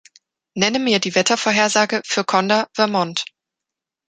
Nenne mir die Wettervorhersage für Conda, Vermont.